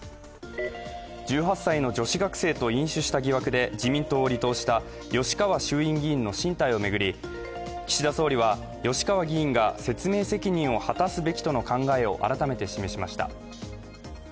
１８歳の女子学生と飲酒した疑惑で自民党を離党した吉川衆院議員の進退を巡り岸田総理は、吉川議員が説明責任を果たすべきとの考えを改めて示しました。